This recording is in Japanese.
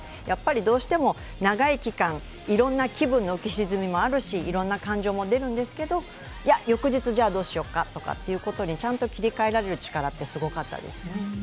やっぱりどうしても長い期間いろんな気分の浮き沈みもあるしいろんな感情も出るんですけれども、翌日どうしようかということにちゃんと切り替えられる力はすごかったですね。